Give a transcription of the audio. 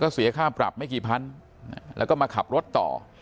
เสียค่าปรับไม่กี่พันแล้วก็มาขับรถต่อ